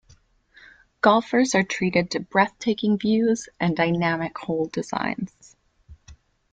Golfers are treated to breathtaking views and dynamic hole designs.